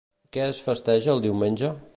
Què es festeja el diumenge?